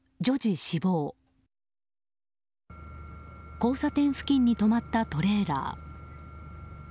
交差点付近に止まったトレーラー。